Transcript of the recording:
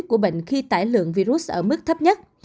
của bệnh khi tải lượng virus ở mức thấp nhất